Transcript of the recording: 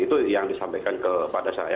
itu yang disampaikan kepada saya